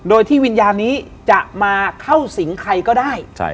โดยที่วิญญาณนี้จะมาเข้าสิงใครก็ได้